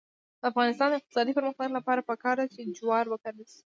د افغانستان د اقتصادي پرمختګ لپاره پکار ده چې جوار وکرل شي.